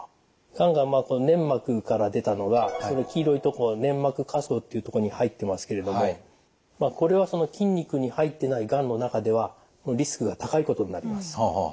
がんが粘膜から出たのがその黄色いとこ粘膜下層っていうとこに入ってますけれどもこれは筋肉に入ってないがんの中ではリスクが高いことになります。